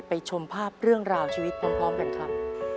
ชมภาพเรื่องราวชีวิตพร้อมกันครับ